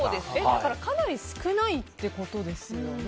かなり少ないってことですよね。